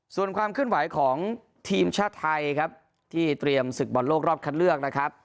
ส่วนความเคลื่อนไหวของทีมชาติไทยครับที่เตรียมศึกบอลโลกรอบคัดเลือกนะครับ